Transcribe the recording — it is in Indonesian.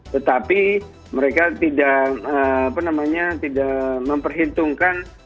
tetapi mereka tidak memperhitungkan